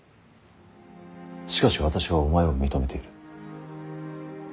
しかし私はお前を認めている。